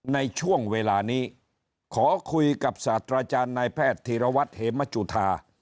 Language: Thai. ในช่วงเวลานี้ขอคุยกับศาสตราจารย์นายแพทย์ธีรวัตรเหมจุธา